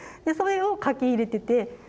それを描き入れてて。